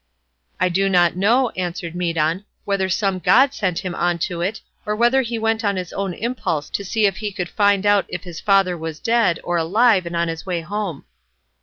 "I do not know," answered Medon, "whether some god set him on to it, or whether he went on his own impulse to see if he could find out if his father was dead, or alive and on his way home."